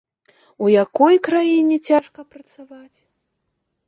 У якой краіне цяжка працаваць?